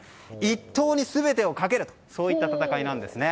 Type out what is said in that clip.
一刀に全てをかけるそういった戦いなんですね。